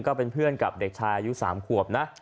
ก็เป็นเพื่อนกับเด็กชายอายุ๓ขวบนะ